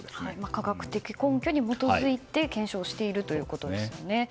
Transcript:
科学的根拠に基づいて検証をしているということですもんね。